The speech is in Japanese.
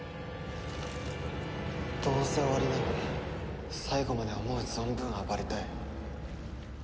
どうせ終わりなら最後まで思う存分暴れたい。